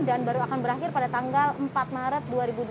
dan baru akan berakhir pada tanggal empat maret dua ribu dua puluh dua